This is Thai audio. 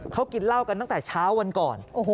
เขากินเหล้ากันตั้งแต่เช้าวันก่อน